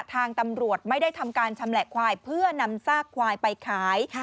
ทางตำรวจไม่ได้ทำการชำแหละควายเพื่อนำซากควายไปขาย